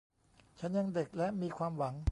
ฉันยังเด็กและมีความหวัง